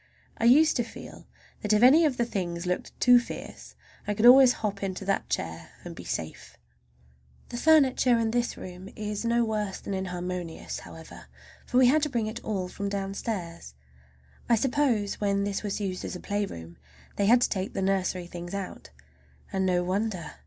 I used to feel that if any of the other things looked too fierce I could always hop into that chair and be safe. The furniture in this room is no worse than inharmonious, however, for we had to bring it all from downstairs. I suppose when this was used as a playroom they had to take the nursery things out, and no wonder!